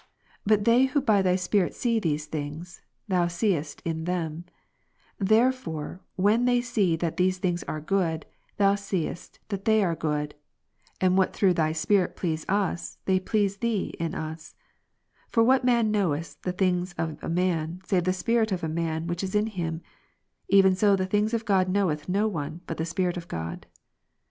But they who by Thy Spirit see these things. Thou seest in them. Therefore when they see that these things are good, Thou seest that they are good ; and what soever things for Thy sake please, Thou pleasest in them, and what through Thy Spirit please us, they please Thee in us. 1 Cor. For what man knoweth the things of a man, save the spirit of a ''' man, ivhich is in him ? even so the things of God knoiveth no one, but the Spirit of God.